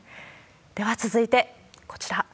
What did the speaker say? では続いて、こちら。